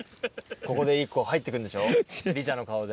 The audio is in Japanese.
ここで１個入ってくんでしょリチャの顔で。